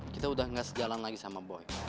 kita udah gak sejalan lagi sama boy